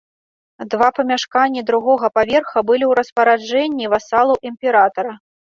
Два памяшканні другога паверха былі ў распараджэнні васалаў імператара.